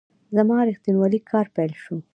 زما ریښتینی کار پیل شو .